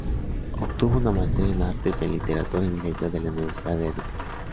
Obtuvo una Maestría en Artes en Literatura inglesa de la Universidad de Duke.